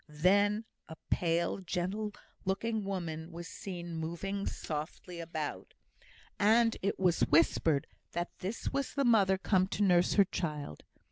Then a pale, gentle looking woman was seen moving softly about; and it was whispered that this was the mother come to nurse her child.